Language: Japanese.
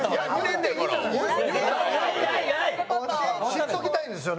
知っときたいんですよ。